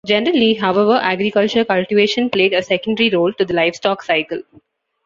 Generally, however, agricultural cultivation played a secondary role to the livestock cycle.